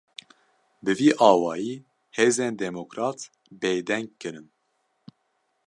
Bi vî awayî, hêzên demokrat bêdeng kirin